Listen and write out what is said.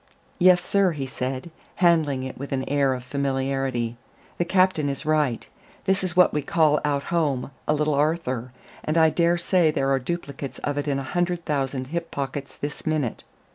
"Yes, sir," he said, handling it with an air of familiarity, "the captain is right. This is what we call out home a Little Arthur, and I dare say there are duplicates of it in a hundred thousand hip pockets this minute.